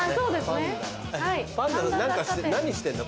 パンダ何してんの？